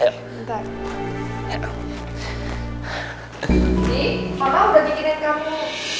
di papa udah bikinin kamu